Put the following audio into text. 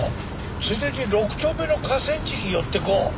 ついでに６丁目の河川敷寄っていこう。